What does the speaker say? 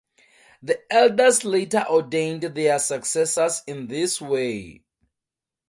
The elders later ordained their successors in this way.